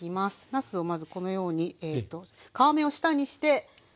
なすをまずこのように皮目を下にして入れます。